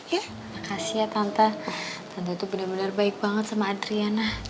makasih ya tante tante tuh bener bener baik banget sama adriana